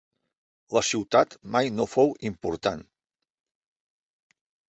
La ciutat mai no fou important.